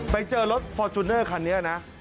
ไปเจอรถฟอร์จูเนอร์คันนี้นะ